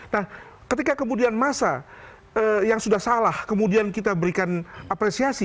nah ketika kemudian masa yang sudah salah kemudian kita berikan apresiasi